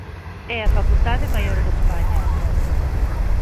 É a facultade maior de España.